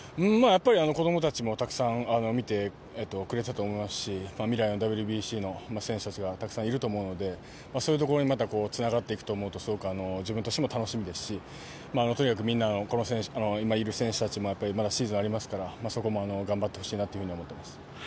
子どもたちもたくさん見てくれていたと思いますし未来のＷＢＣの選手たちがたくさんいると思うのでそういうところにつながっていくと思うと楽しみですしまだ今の選手たちもこれからシーズンがありますからそこも頑張ってほしいなと思っています。